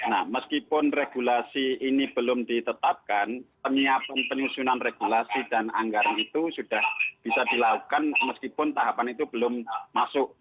nah meskipun regulasi ini belum ditetapkan penyiapan penyusunan regulasi dan anggaran itu sudah bisa dilakukan meskipun tahapan itu belum masuk